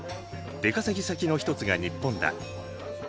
出稼ぎ先の一つが日本だ。